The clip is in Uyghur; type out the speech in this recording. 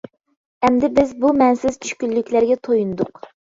ئەمدى بىز بۇ مەنىسىز چۈشكۈنلۈكلەرگە تويۇندۇق!